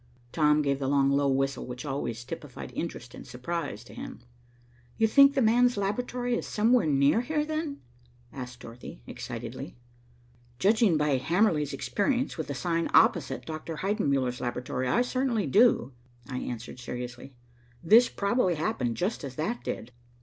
Tom gave the long, low whistle which always typified interest and surprise to him. "You think the man's laboratory is somewhere near here, then," asked Dorothy excitedly. "Judging by Hamerly's experience with the sign opposite Dr. Heidenmuller's laboratory, I certainly do," I answered seriously. "This probably happened just as that did."